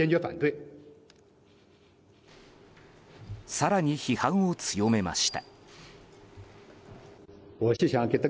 更に批判を強めました。